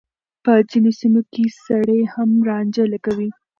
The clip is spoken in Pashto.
په ځينو سيمو کې سړي هم رانجه لګوي.